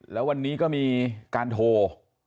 แล้ววันนี้ก็มีการโทร